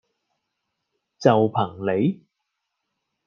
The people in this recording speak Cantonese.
就憑你?